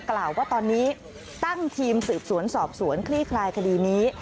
กล่าวว่าตอนนี้ตั้งทีมสืบสวนสอบสวนคลี่คลายคดีนี้